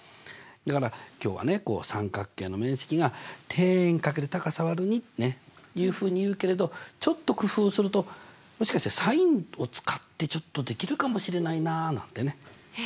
だから今日はね三角形の面積が底辺×高さ÷２というふうにいうけれどちょっと工夫するともしかしたらｓｉｎを使ってちょっとできるかもしれないなあなんてね